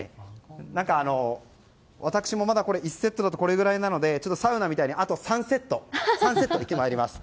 私も、まだ１セットだとこれぐらいなのでちょっとサウナみたいにあと３セットだけやります。